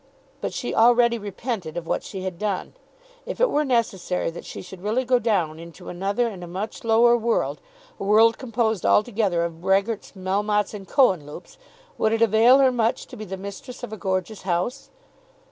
But she already repented of what she had done. If it were necessary that she should really go down into another and a much lower world, a world composed altogether of Brehgerts, Melmottes, and Cohenlupes, would it avail her much to be the mistress of a gorgeous house?